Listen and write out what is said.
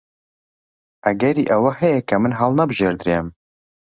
ئەگەری ئەوە هەیە کە من هەڵنەبژێردرێم.